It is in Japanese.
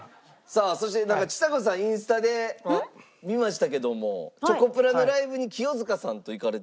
さあそしてちさ子さんインスタで見ましたけどもチョコプラのライブに清塚さんと行かれてたという。